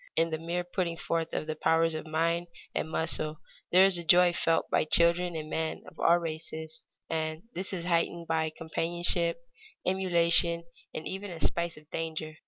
In the mere putting forth of the powers of mind and muscle there is a joy felt by children and men of all races, and this is heightened by companionship, emulation, and even by a spice of danger.